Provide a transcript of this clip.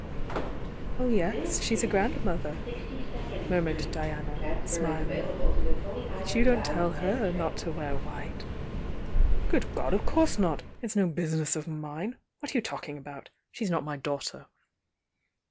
•m yes, she's a grandmother," murmured Diana, smUine "But you don't tell her aot to wear white. ^S God, of course not! Jt'^ no busmess of mine! What are you talkmg about? She snot ray daughter!"